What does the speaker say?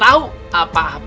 aku disuruh percepat